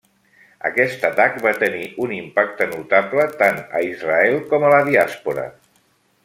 Aquest atac va tenir un impacte notable, tant a Israel com a la diàspora.